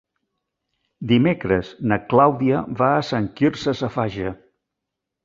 Dimecres na Clàudia va a Sant Quirze Safaja.